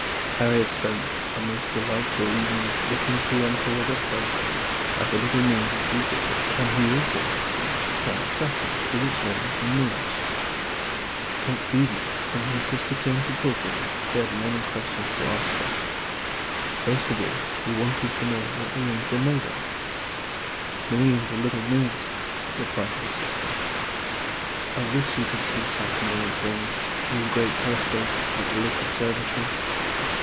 Harry had spent a most delightful evening looking through Uncle Robert's telescope at the little moons of Jupiter, and he also had seen the planet Saturn, with its rings and moons. Next evening when his sister came to talk with him he had many questions to ask her. First of all he wanted to know what the rings were made of. [Illustration: THE RINGED PLANET SATURN.] "Millions of little moons," replied his sister. "I wish you could see Saturn and its rings through the great telescope at the Lick Observatory.